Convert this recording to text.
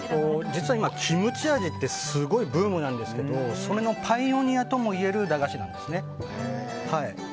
実は今、キムチ味ってすごいブームなんですがそれのパイオニアともいえる駄菓子です。